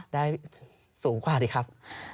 ได้สูงกว่าดีครับ